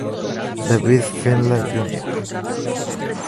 David Finlay Jr.